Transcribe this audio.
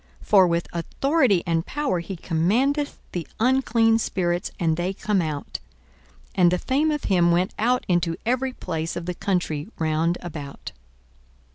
for with authority and power he commandeth the unclean spirits, and they come out. 42:004:037 And the fame of him went out into every place of the country round about.